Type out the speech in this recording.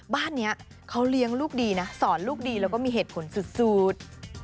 บ้านนี้เขาเลี้ยงลูกดีนะสอนลูกดีแล้วก็มีเหตุผลสุด